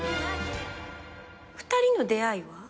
２人の出会いは？